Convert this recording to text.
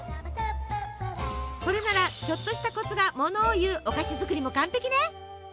これならちょっとしたコツがものを言うお菓子作りも完璧ね！